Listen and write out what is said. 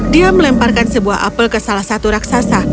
dia melemparkan sebuah apel ke salah satu raksasa